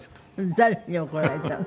誰に怒られたの？